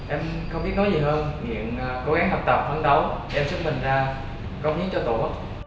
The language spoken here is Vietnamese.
em không biết nói gì hơn nghiện cố gắng học tập phấn đấu em xúc mình ra công nghiên cho tổ quốc